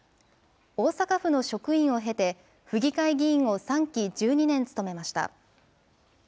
大阪府の職員を経て、府議会議員を３期、１２年務めました。